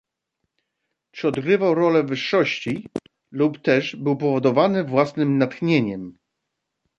"Czy odgrywał rolę wyższości, lub też był powodowany własnem natchnieniem?"